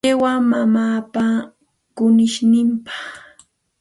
Qiwa mamaapa kunishninpaqmi.